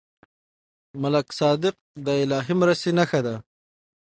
ملک صادق د الهي مرستې نښه ده.